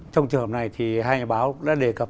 trong trường hợp này thì hai nhà báo đã đề cập